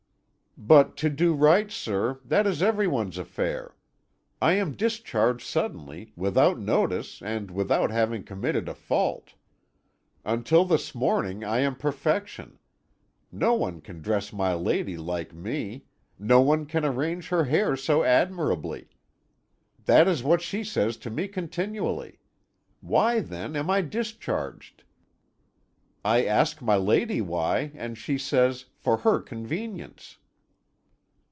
"But to do right, sir, that is everyone's affair. I am discharged suddenly, without notice, and without having committed a fault. Until this morning I am perfection; no one can dress my lady like me, no one can arrange her hair so admirably. That is what she says to me continually. Why, then, am I discharged? I ask my lady why, and she says, for her convenience."